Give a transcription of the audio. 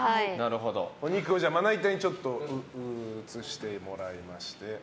お肉をまな板に移してもらいまして。